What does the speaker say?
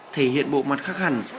thể hiện bộ mặt khắc hẳn